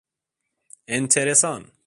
Enteresan.